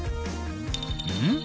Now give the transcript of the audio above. うん？